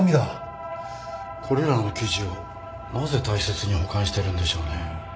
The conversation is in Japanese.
これらの記事をなぜ大切に保管してるんでしょうね？